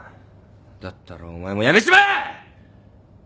だったらお前も辞めちまえ！